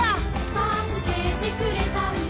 「たすけてくれたんだ」